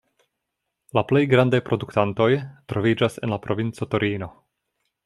La plej grandaj produktantoj troviĝas en la provinco Torino.